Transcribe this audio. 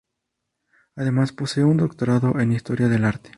Además posee un doctorado en historia del arte.